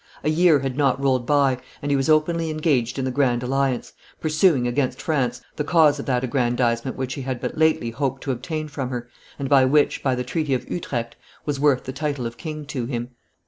A year had not rolled by, and he was openly engaged in the Grand Alliance, pursuing, against France, the cause of that aggrandizement which he had but lately hoped to obtain from her, and which, by the treaty of Utrecht, was worth the title of king to him.